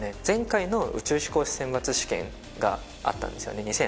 前回の宇宙飛行士選抜試験があったんですよね